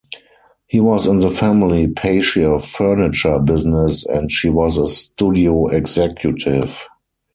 He was in the family patio-furniture business and she was a studio executive.